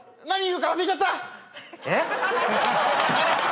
何？